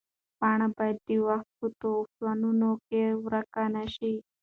پاڼه باید د وخت په توپانونو کې ورکه نه شي.